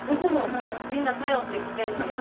みんな頼ってきてんねや。